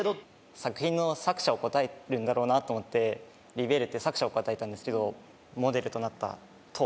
作品の作者を答えるんだろうなと思ってリヴィエールって作者を答えたんですけどモデルとなった塔ですかね